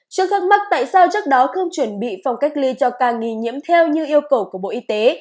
trước thắc mắc tại sao trước đó không chuẩn bị phòng cách ly cho ca nghi nhiễm theo như yêu cầu của bộ y tế